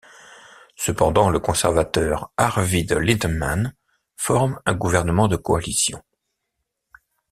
Cependant, le conservateur Arvid Lindman forme un gouvernement de coalition.